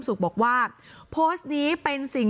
หนูจะให้เขาเซอร์ไพรส์ว่าหนูเก่ง